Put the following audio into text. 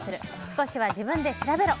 少しは自分で調べろ！